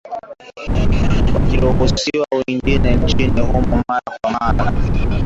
Wakiruhusiwa waingie nchini humo mara kwa mara